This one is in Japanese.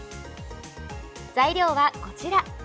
材料は、こちら。